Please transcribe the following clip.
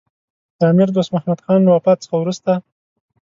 د امیر دوست محمدخان له وفات څخه وروسته.